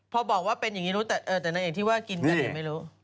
พอบอกว่าเป็นอย่างนี้รู้แต่นางเอกที่ว่ากินกันเองไม่รู้